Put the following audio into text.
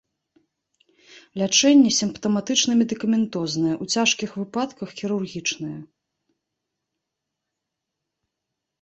Лячэнне сімптаматычна-медыкаментознае, у цяжкіх выпадках хірургічнае.